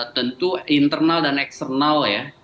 tentu internal dan eksternal ya